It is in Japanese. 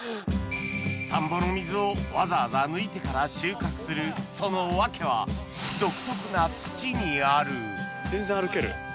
田んぼの水をわざわざ抜いてから収穫するその訳は独特な土にある全然歩ける。